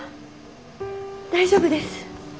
大丈夫です。